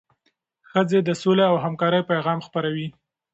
ښځې د سولې او همکارۍ پیغام خپروي.